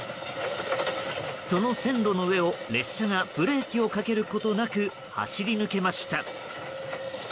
その線路の上を列車がブレーキをかけることなく走り抜けました。